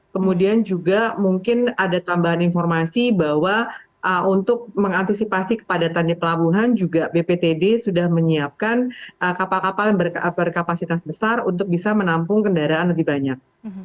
kemudian juga mungkin ada tambahan informasi bahwa untuk mengantisipasi kepadatan di pelabuhan juga bptd sudah menyiapkan kapal kapal yang berkapasitas besar untuk bisa menampung kendaraan lebih banyak